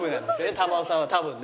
珠緒さんは多分ね。